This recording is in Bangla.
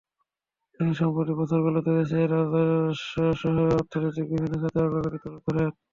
তিনি সাম্প্রতিক বছরগুলোতে দেশের রাজস্বসহ অর্থনৈতিক বিভিন্ন খাতের অগ্রগতি তুলে ধরেন।